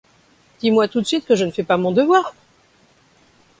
Dis-moi tout de suite que je ne fais pas mon devoir.